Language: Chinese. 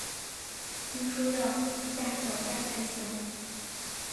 听说要架脚架才行